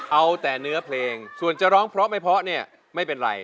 เอาแต่เนื้อเพลงส่วนจะร้องเพราะไม่เพราะเนี่ยไม่เป็นไร